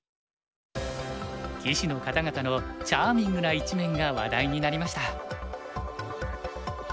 棋士の方々のチャーミングな一面が話題になりました。